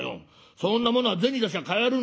そんなものは銭出しゃ買えるんだよ。